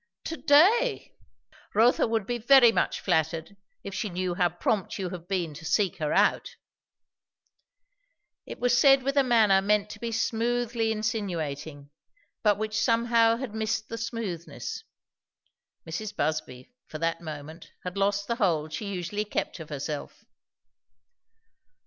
"To day! Rotha would be very much flattered if she knew how prompt you have been to seek her out." It was said with a manner meant to be smoothly insinuating, but which somehow had missed the smoothness. Mrs. Busby for that moment had lost the hold she usually kept of herself.